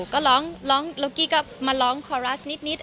ก็ล้องกี้ก็มาล้องคอรัสนิด